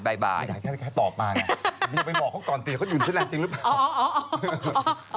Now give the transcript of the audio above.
ไว้แค่ต่อมาบอกเขาตอนเดียวเขาอยู่เน็ตเทอร์แลนด์จริงหรือเปล่า